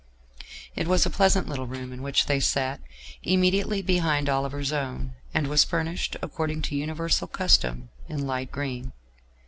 It was a pleasant little room in which they sat, immediately behind Oliver's own, and was furnished, according to universal custom, in light green.